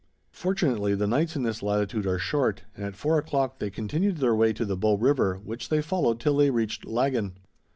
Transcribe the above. Fortunately, the nights in this latitude are short, and at four o'clock they continued their way to the Bow River, which they followed till they reached Laggan.